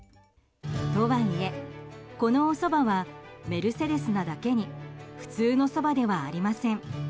とはいえ、このおそばはメルセデスなだけに普通のそばではありません。